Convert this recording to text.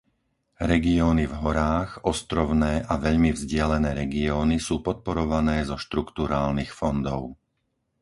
Regióny v horách, ostrovné a veľmi vzdialené regióny sú podporované zo štrukturálnych fondov.